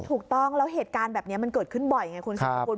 ถูกต้องแล้วเหตุการณ์แบบนี้มันเกิดขึ้นบ่อยไงคุณสุดสกุล